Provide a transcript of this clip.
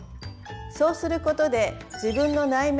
そうすることで自分の内面